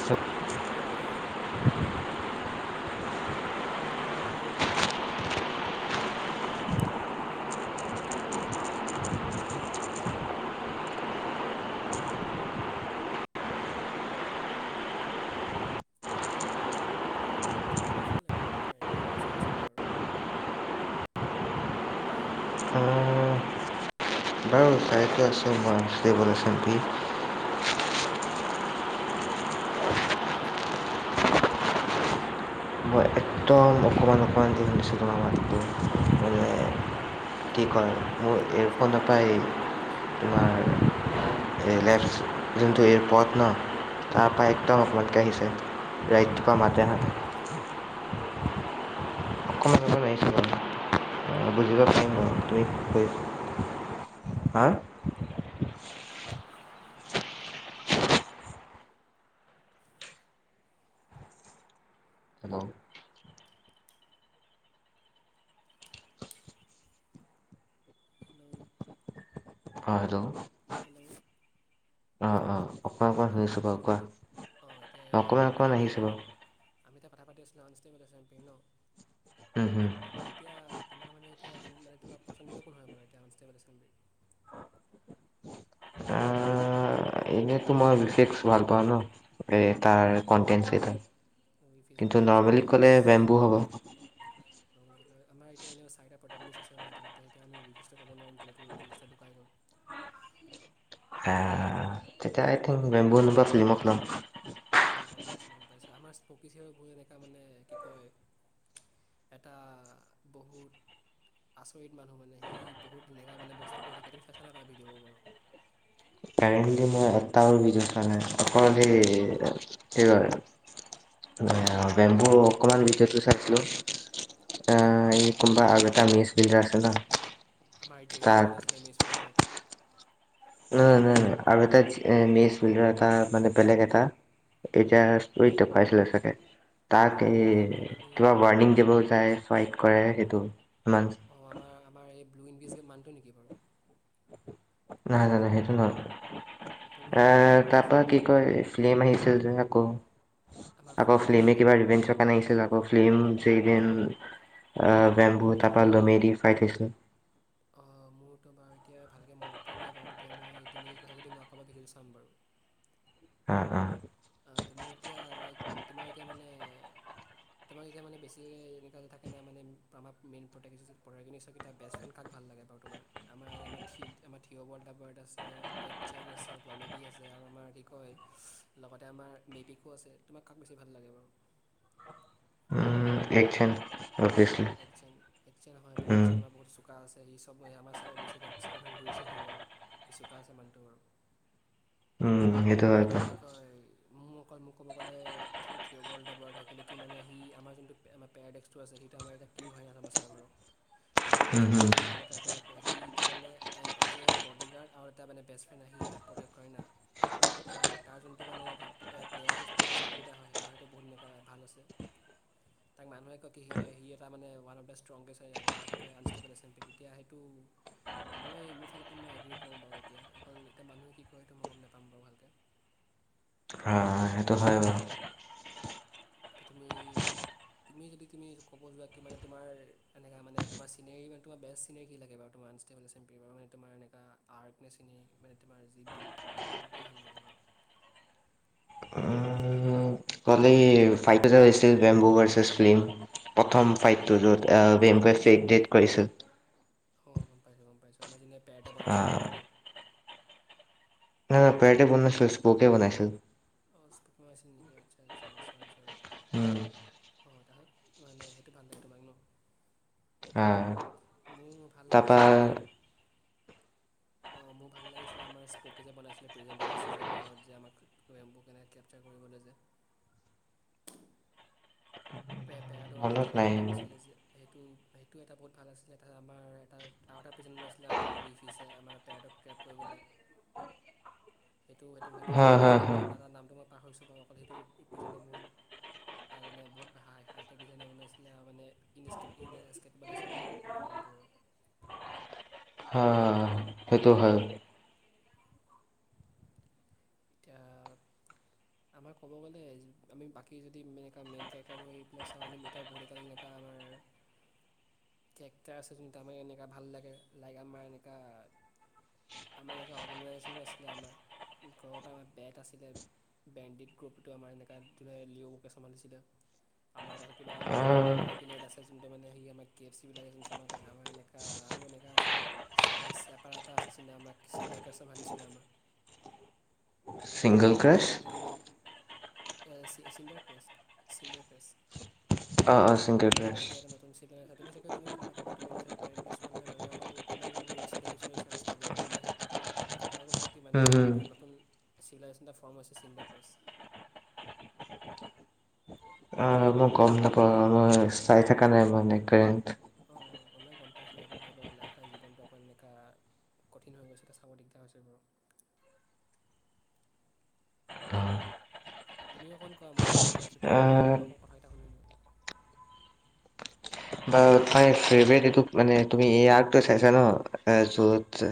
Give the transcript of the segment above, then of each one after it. [inaudible] মোৰ মাতটো পাইছেনে শুনা? হেল্লৌ' হেল্লৌ' অঁ তুমি বাৰু ৱান চেল ভিডিঅ' চোৱা নাই বাৰু এতিয়া কাৰেণ্টি তুমি চাই আছা নাই বাৰু? [inaudible] আহ, বাৰু কাৰেন্টো আছে [unintelligible] উম' তাপা মোৰ মাতটো আছে নাই বাৰু ভালকে তোমাৰ এতিয়া। মই একদম অকমান অকমান দি শুনিছো তোমাৰ মাতটো। মানে [inaudible] মোৰ মাতটো অলপ অপমান চ কি ন কয় ৰখা অকমান মোৰ ৰখি দিয়া প্লিচ দেই ইয়েৰফোনৰ মই পৰা এই তোমাক মাতটো দিছোঁ ময়। তোমাৰ [inaudible] এই নাই যোন তু এপত ন তাপাই- একদম মই আপোনালোকে আহিছে ৰাইটটোপা এতিয়া মাতেহাতে- [unintelligible] অকমান অকমান আহিছে মাতটো। অ বুজিব অঁ পাৰিম এতিয়া বাৰু, এতিয়া তুমি আমি পাতিব পাৰিম নাই কৰিছ আছা? হাঁ' তেতিয়া আমি কথাটো পাতি তেতিয়াহ'লে আপোনালোকে আৰু ন কণ্টিনিউ প কথাটো আমাৰ। হেল্ল' হেল্লৌ' অঁ' হেল্লৌ' হেল্লৌ' অকণমান অকণমান অঁ' মো শুনিছোঁ মাতটো বাৰু গৈছা ন কোৱা এতিয়া, অঁ এতিয়া অকণমান আমি অকণমান আহিছে এতিয়া- আমি এতিয়া কথা পাতি আছিলো অন ষ্টেব চেমপাপি ন। বাৰু তুমি এতিয়া তোমাৰ মানে এতিয়া তোমাৰ পছন্দিত কোন হয় বাৰু অনষ্টেম্বলিৰ। আঁ আঁ' এই- এনে তো মই বিশেষ ভাল পাওঁ ন, এই- তাৰ অঁ কনটেচকেইটা, উইভিজ গম কিন্তু পাইছোঁ নৰ্মেলি ক'লে বেম্বু হ'ব। নৰমেলি কলে, আমাৰ এতিয়া এনেও চাৰিটা প্ৰডাক্টিন্চ আছে ন, এতিয়া তাতে আমি নিৰ্দ্দিষ্ট ক'ব নোৱাৰিম কেনেকে ৱেভিষ্টটো ঢোকায় গ'ল। হা। তেতিয়া আই থিং বেম্বু নাই বা ফিলিমক লগ পাম। মই গম পাইছোঁ গম পাইছোঁ, আমাৰ স্পকীচিৰবোৰ এনেকুৱা মানে কি কয়? এটা বহুত- আচৰিত মানুহ মানে সি বহুত তেনেকা মানে বস্তু কৰি থাকে তুমি চাইছা নাই ভিডিঅ'বোৰ বাৰু কাৰেণ্টলী মই আঠটা মান ভিডিঅ চোৱা নাই বেম্বু অকমান ভিদেওতো চাইছিলো উম, গম আহ এই পাইছোঁ গম কোনবা পাইছোঁ আৰু এটা মিছ ফিল্টাৰ আছে ন আমাৰ জি এ তাক মেন আছিলে মিছ ফিল্টাৰ এটা না না আৰু এটা মেচ ফিল্টাৰ এটা মানে বেলেগ এটা এতিয়া ষ্টোৰিতে পাইছিলা চাগে তাক বেলেগ এই এটা বাৰু তুমি কিবা ৱাৰ্ণিং দিব যায় ফাইট কৰে সেইটো ইমান অঁ আমাৰ আমাৰ এই ব্লুইন বিজ গে মানুহটো নেকি বাৰু নাই নাই নাই সেইটো সেইটো নহয় নহয় এ নেকি এতিয়া কোন তাৰ পৰা আছিলে কি কয় ফিল্ম আহিছে যে আকৌ আমাৰ আকৌ ফ্লেম ফিল্মে আহিছিল ন কিবা ৰিভেনচৰ কাৰণে আহিছে যাম ফিল্ম জেদিন বেম্বু আৰু তাৰপা লমেদি ফাইট হৈছিল অঁ মোৰতো বাৰু এতিয়া ভালকে মনত পৰা নাই বাৰু তেতিয়া মই ইতিমধ্যে কথা যদি মই আকৌ এবাৰ ভিডিঅ'টো চাম বাৰু আ আ তুমি এতিয়া লাইক তোমাৰ এতিয়া মানে তোমাৰ এতিয়া মানে বেছি এনেকুৱা যে থাকে নাই মানে প্ৰমাপ মেইন প্ৰত্যেক এটা বেষ্ট ফ্ৰেণ্ড কাক ভাল লাগে বাৰু তোমাৰ? আমাৰ আমাৰ থি আমাৰ থিয়অ'ৱল্ডাৰ বাৰড আছে একচেন আছে, কমেডি আছে আৰু আমাৰ কি কয় লগতে আমাৰ মেবিকো আছে, তোমাক কাক বেছি ভাল লাগে বাৰু? একচন অভিয়াচলি একচেন একচেন হয় বাৰু উম আহিছেনে বহুত চু কা আছে সি চব আমাৰ ছাৰে বেছিভাগ চাৰ্বে ঘূৰিছে সি বাৰু সি চুকা আছে মানুহটো বাৰু উম সেইটো হয় এতিয়া বাৰু কি কয় মোৰ অকল মোক ক'ব গ'লে থি থিয় বল টাইপৰ হয় লেকি মানে সি আমাৰ যোনটো পেৰাদেকচটো আছে সেইটো আমাৰ এ কিং হয় আমা চাৰ্ভাৰৰ তাকে এতিয়া উম সবে উম মানে মাৰিব ত্ৰাই কৰি থাকে সি এতিয়া মানে এজ এ বডিগাৰ্ড আৰু এটা বেচ ফ্ৰেণ্ড আহি তাক প্ৰটেক্ট কৰে না আৰু তাৰ যোনটো মানে এনেকুৱা প্লেয়াৰছে প্লেয়াৰ স্কিলকেইটা হয় তাৰ হয়তো বহুত এনেকা ভাল আছে তাক মানুহে কয় কি সি এটা মানে one of the strongest unstable assembly এতিয়া সেইটো মই মোৰ ফালৰ পৰা মই এগ্ৰ্ৰী কৰো বাৰু এতিয়া অকল এটা মানুহে কি কয় সেইটো মই গম নাপাম বাৰু ভালকে অ সেইটো হয় বাৰু এতিয়া তুমি তুমি যদি তুমি ক'ব যোৱা কি মানে তোমাৰ এনেকা মানে তোমাৰ চিনেৰি মানে তোমাৰ বেষ্ট চিনেৰি কি লাগে বাৰু তোমাৰ আ মানে তোমাৰ এনেকা আট নেছেনি তোমাৰ যি বিলট মানে তোমাক কি ভাল লাগে বাৰু? উম ফাইট হৈছিল বেম্বু ভাৰ্চেছ ফিল্ম প্ৰথম ফাইটটো অঁ য'ত বেম্বু ফেক ডেট কৰিছিল অ গম পাইছো গম পাইছো আমাৰ যেনে পেৰেটাই বনাইছিল আহ, সেইটো ন পাৰতেবনাই চইচক্লপে বনাইছিল [unintelligible] উম, অ তাছট মানে সেইটো ভাল লাগে তোমাক ন আহ, মোৰ ভাল তাৰপা লাগিছিলে আমাৰ অ মোৰ ভাল লাগিছিলে আমাৰ স্কপে যে বনাইছিলে প্ৰেজেণ্ তাজা চিজন ওৱানত যে আমাক কৈম কেনেকে কে পচাৰ কৰিবলৈ যে পে পেৰদ'ৰ কাৰণে মনত কিন এটা নাই নাম আছিলে যে সেইটো সেইটোও এটা বহুত ভাল আছিলে তাছত আমাৰ এটা আৰু এটা প্ৰিচেণ্ট আছিলে আমাৰ উইফিছে আমাৰ পেৰেডক ক্ৰেপ কৰিবলে সেইটো, সেইটো, সেইটো, হা হা হা এটা দাদ নামটো মই পাহৰিছো, বাৰু সেইটো ৰিপেজেণ্টে বহুত তাৰ মানে বহুত [unintelligible] আছিলে মানে আছিলে, বাৰ প্ৰেজেণ্টটো আৰু অ', অ, অ, সেটো হয়। এতিয়া আমাৰ ক'ব গ'লে আমি বাক যদিনে এ মেইন কেক্টাৰব পেল চাওঁ। আমি [unintelligible] আমাৰ কেৰেক্টাৰ আছে। যোনটো আমাৰ এনেকুৱা ভাল লাগে। লাইক আমাৰ এনেকুৱা আমাৰ এনেকা অৰ্গেনাইজেযনো আছিলে। আমাৰ ঘৰৰ পৰা আমাৰ বেত আছিলে। ব্ৰেণ্ডেড ক্ৰপিটো আমাৰ এনেককা ধৰে লিঅ'বকে চ্ভালিছিলে আমাৰ তত কিবা আমাৰ আহ, এৰেৰাককনেত আছে। যোনটো মানে সে আমাৰ কে এফ চি বিলাইোন চ আমাৰ এনেকা আৰু এনেকা আছে। আমাৰ চেপাৰ এটা আছেন আমাক [unintelligible] [unintelligible] আমাৰ ছিংগল ক্ৰে আমি আৰু চডাৰ ক্ৰেছ চড ক্ৰেছ অঁ অঁ ছিংগল ক্ৰাছ সেইটো এটা নতুন চিগ আছে। তুমি চাগে তুমি গম নাপাবা। তুমিতি কাৰেণ্ট ইোৱা নোনে অকল আমাৰোনোৰ ৰিচেণ্ এপিচ ষ্টব মানে সেহেতে মানে তাত কোৱা গৈছে। কি উম, মানে হুম, এটা নতুন চিভিলাইজেশন এটা ফৰ্ম আ হৈছে চিণ্ডাক্ৰেষ্ট। অ', মই গ'ম নাপওঁ। চাই থকা নাই মানে কাৰেণ্ট অ', কোনোবাই গম পাইছো, সহটো হয় ব লাইক জীৱনটো অকৌ এনেকুৱা কঠিন হৈ গৈছে। এটা চাব দিগদাৰ হৈছে বাৰু তুমি অকণ কোৱা মই ইমান কৈ আছো। তুমি অকণ আহ, তোমাৰপৰা অকণ কথাটাগিতা শুনো মই বাৰু ফেভট এই মানে তুমি এই আ চাইছা ন যত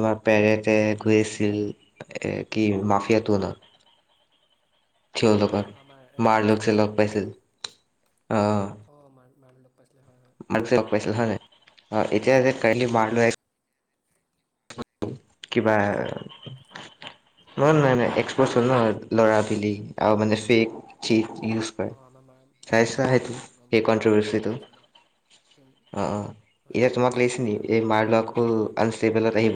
তোমাৰ পেৰেতে গৈ আছিল। এ কি মাফিয়া টোনত থৈ হৈ থকা অঁ আমাৰ ইংলিছ মাৰলক যে মাফিয়া লগ পাইছিল। অ', মাৰ মাৰ লগ পাইছিলে হয়। হয়। ম পাইছিল হয় নে? এতিয়া যে অঁ হয় কাৰেণ্টলী হয় মাৰ কিবা নহয় নাই। নাই। এক ন ল'ৰা বিলি আৰু মানে ফেক চিত ইউজ অঁ আমাৰ মাৰ চাইছা হয় সেইটো বাৰু গম সেই পাইছোঁ গম কন্তভাৰ্চিটো পাইছোঁ বাৰু অ', সেইটো এতিয়া গম তোমাক পাইছোঁ লাগিছে বাৰু ন ন, মই এই মাৰ আমাৰ লোৱাকো আমাৰ আনষ্টেবলত আহিব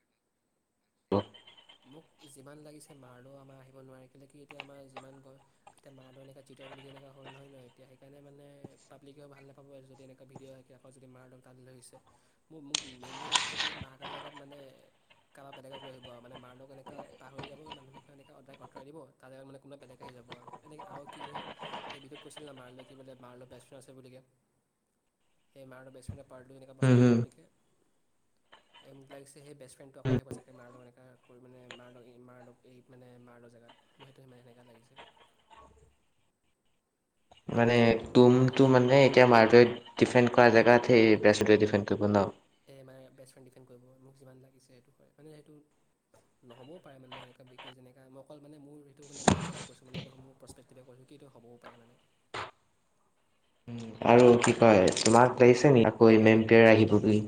মোক যিমান লাগিছে মাৰলেও আমাৰ আহিব নোৱাৰে কেলৈ কি এতিয়া আমাৰ যিমান গ এতিয়া মাৰলও এনেকুৱা ছিটাৰ বুলি কেনেকুৱা হ'ল নয়। নয়। এতিয়া সেই কাৰণে মানে পাব্লিকেও ভাল নাপাব যদি এনেকুৱা ভিডঅ' হয়। পজিটিভ মাৰ দক তাত দিলৈ হৈছে। মোক মোক মেইনলি লাগিছে কি মাতৰ জেগাত মানে কাৰোবাৰ বেলেগক লৈ আহিব আৰু মানে মাৰলগ এনেকৈ পাহৰি যাব। মানুহখিকে এনেকৈ ডাইৰেক্ট আঁতৰাই দিব তাৰ জেগাত মানে কোনোবা বেলেগ আহি যাব। আৰু এনেকে আৰু কি হয়। সেই ভিডিঅত কৈছিল না মাৰলৈ কি বোলে মাৰল বেষ্ট ফ্ৰড আছে বুলি কে সেই মাৰল বেষ্টফ্ৰেণ্ড পাৰ্টো এনেকৈ পাৰ্ট লৈ হম বছাই আছে। হম বুলিকে মোক লাগিছে। সেই বেষ্টফ্ৰেণ্ডটো আকৌ আহিব চাগে মাৰলো। এনেকা কৰি মানে মাৰ লগ এই মাৰ লগ এই মানে মাৰ লগ জেগাত মোৰ সেইটো সিমান এনেকুৱা লাগিছে। মানে তুম টো মানে এতিয়া মাৰটোৱে ডিফেণ্ড কৰা জেগাত সেই বছে ডিফেণ্ড কৰিব ন সেই মানে বেষ্ট ফ্ৰেণ্ড ডিফেণ্ড কৰিব মোক যিমান লাগিছে। সেইটো হয়, মানে সেইটো নহ'বও পাৰে মানে বি যেনেকা মই অকল মান মোৰ সেইটো মোৰ হিচাপে কৈছো মানে মোৰ প্ৰস্পেক্টি। তেতিয়া কৈছো কি এই হ'বও পাৰে মানে। উম আৰু কি কয় তোমাক লাগিছে নেকি আকৌ মেইনপিয়েৰ আহিব বুলি।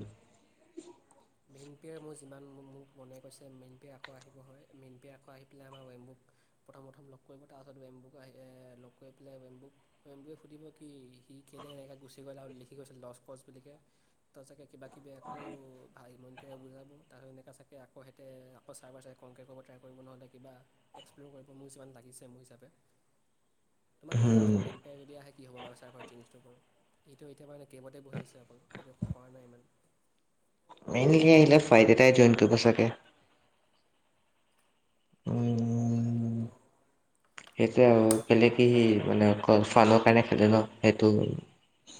মেইনপেয়াৰ মোৰ যিমান মোক মনে কৈছে মেইন পেয়াৰ আকৌ আহিব হয় মেইন পেয়াৰ আকৌ আহি পেলাই আমাৰ ৱেম্বুক। প্ৰথম প্ৰথম লগ কৰিব তাৰ পাছত ৱেমবুক আহি লগ কৰি পেলাই ৱেমবুক ৱেমবুক সুধিব কি সি কেলে এনেকৈ গুচি গ'ল আৰু লিখি গৈছে লজ কচ বুলিকে। ত চাগে কিবাকিবি আকৌ আইমণ পিৰে বুজাব তাৰ এনেকুৱ চাগৈ আকৌহঁতে আকৌ চাইবাৰ চাই কংকে ক'ব ট্ৰাই কৰিব নহ' কিবা এক্সপ্ল'ৰ কৰিব মোক যিমান লাগিছে মোৰ হিচাপে। তোম কি উম। লাগিছে মেইন পেয়াৰ যদি আহে কি হ'ব চাইবাৰ চেঞ্জটো বাৰু এইটো এতিয়া মানে গেমতে বহি আছে অকল সেইটো কৰা নাই ইমান। ফাইনলি আহিলে ফাইট এটাই জইন কৰিব চাগে। হ'ব পাৰে বাৰু উম। এতিয়া সেইটোৱে আৰু পেলে কি মানে অকল ফাউলৰ কাৰণে খেলে সেইটো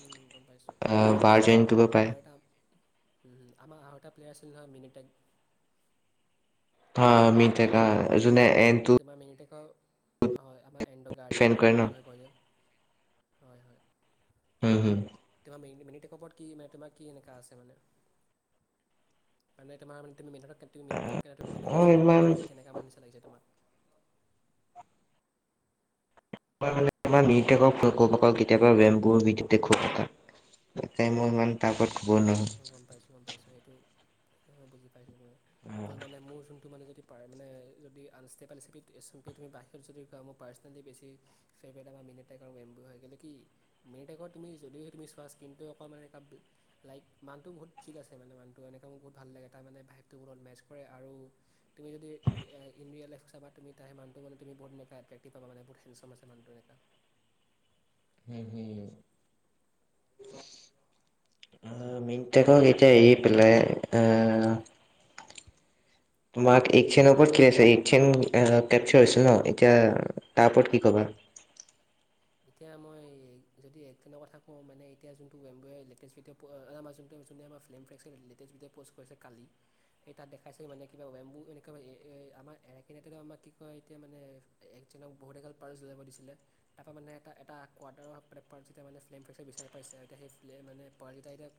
উম গম পাইছো তোমাৰ বাৰ এতিয়া জইন কৰিব পাৰে। আৰু এটা আমাৰ আৰু এটা প্লেয়াৰ আছিল নহয় মিনিটেগ অ মিনিটেগ অ তোমাৰ মিনিটেগ- হয় আমাৰ এণ্ড' গাৰ্ডেন ডিফেণ্ড কৰে বুলি ন মানুহে কয় যে হয় হয়। উম উম। তোমাৰ মিনিটেগ ওপৰত কি তোমাৰ কি এনেকা আছে মানে? মানে তোমাৰে তুমি মিনিটেগ ক তুমি অ কেনেকা চোৱা মানে ইমান সি কেনেকা মানুহ নিচা লাগিছে তোমাক মই মিনিটেগক কেতিয়াবা ৰেম্ব' কব তাক মই ইমান তাৰ ওপৰত কবই নোৱাৰোঁ। মই গম পাইছোঁ, গম পাইছোঁ হেতু, বুজি পাইছোঁ অকল মানে মোৰ জোনটো মানে য'ত পাৰে মানে যদি আনষ্টেবেল চিপি তুমি বাহিৰত যদি কোৱা মোৰ পাৰ্চনেলি বেছি ফেবাৰট আৰু মিনিটেগ এটাই কাৰ এম্বু হয় কি মিনিটেগত তুমি যদিহে যদি চোৱা স্কিনটো অকণমানে লাইক মানুহটো বহুত ঠিক আছে মানে মানটো এনেকৈ মোৰ বহুত ভাল লাগে তাৰ মানে তাৰ ভাইবটো মোৰ লগত মেচ কৰে আৰু তুমি যতি ইন ৰেল লাইফ চাবা তু তাৰ মানটো মান তুমি বহত এনেকা একটেকটিফ পাবা মানে, মানুহটো বহুত হেণ্ডচাম আছে এনেকা উম, উম। মিননিটেগক এতিয়া এৰি পেলাই অহ তোমাৰ এইচেনৰ ওপৰত কি আছে এইচেন কেপচাৰ হৈছিল ন এতিয়া তাৰ ওপৰত কি কবা? এতিয়া মই যদি এক কেনেক কথা কওঁ মানে এতিয়া যোনটো এম্বুৱে আহিলে লেটেষ্ট আমাৰো আমাৰ জোনটো আমাৰ ফ্ৰেম ফেকাল্টী শেহতীয়া ভিডিঅ পোষ্ট কৰিছে কালি। সে তাত দেখাইছে মানে কিবা ৱেম্বু এনেকুৱা আমাৰ এৰাৰাকিনতে আমাৰ কি কয় এতিয়া মানে? একজনক বহুত এগাল পাৰ্টছ উলিয়াবলৈ দিছিলে। তাৰ পা মানে এটা-এটা কোৱাটাৰৰ পোৰ যেতিয়া মানে ফ্লেম ফ্ৰকচাৰ বিচাৰি পাইছে এতিয়া সেই ফ্লে মানে পাৰালিতিটা এতিয়া।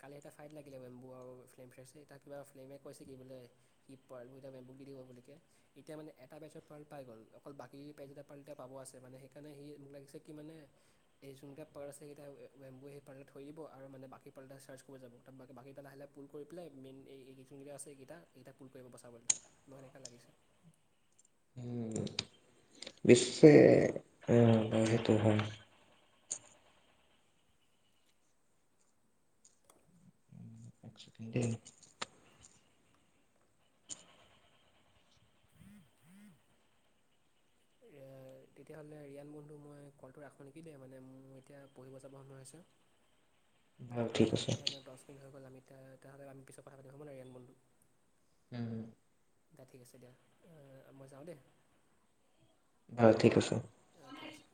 কালি এটা ফাইট লাগিলে বেম্বু আৰু তাত কিবা ফ্লামে যে কৈছে কি বোলে? কি পাৰ্ল এটা বেমুী দিব লোকে? এতিয়া মানে এটা বেচৰ ছোৱালীহে পাই গ'ল অকল বাকী পাৰ্ট এটা পাব আছে মানে হে হেকৰ্নে হেৰী লাগিছে কি মানে? এই যোনকটা পাৰ আছে হেতেকা বাঁহ পানীত থৈ দিব আৰু মানে বাকী পাল্টা ছাৰ্চ কৰি যাব। বাকী পেলাই হ'লে, পুল কৰি পেলাই মেইন হেৰি খিনি যি আছে, সেইখিনি পুল কৰিবলৈ বচাব তাক। মই এনেকে লাগিছে। উম', বিশে হে সেইটো হয়। উম', এ', তেতিয়াহ'লে ৰিয়ান বন্ধু তু মই কলটো ৰাখোঁ নেকি দেই মানে মোৰ এতিয়া পঢ়িব যাব সময় আছে। বাৰু ঠিক আমাৰ আছে এতিয়া এনেও ডছ কিল হৈ গ'ল। আমি এতিয়া তেও হ'লে, আমি এতিয়া পিছত কথা পাতিম হ'ব নে, ৰাণ বন্ধু। উম', ঠিক আছে। দিয়া মই যাওঁ দে। হয়। ঠিক আছে। অ', ঠিক আছে।